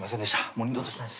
もう二度としないです。